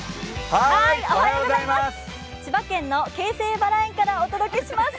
千葉県の京成バラ園からお届けします。